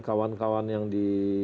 kawan kawan yang di